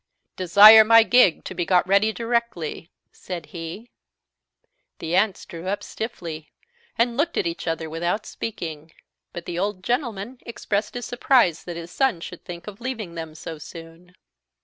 "Desire my gig to be got ready directly!" said he. The aunts drew up stiffly, and looked at each other without speaking; but the old gentleman expressed his surprise that his son should think of leaving them so soon.